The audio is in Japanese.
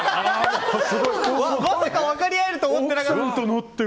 まさか分かりあえると思っていなかった。